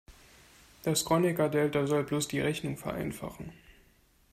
Das Kronecker-Delta soll bloß die Rechnung vereinfachen.